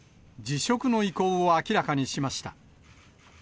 辞職の意向を明らかにしました。